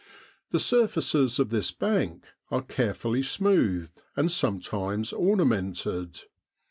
The surfaces of this bank are carefully smoothed and sometimes ornamented.